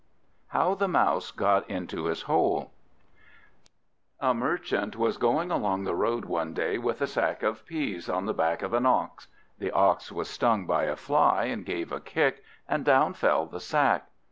How the Mouse got into his Hole A MERCHANT was going along the road one day with a sack of peas on the back of an Ox. The Ox was stung by a Fly, and gave a kick, and down fell the sack.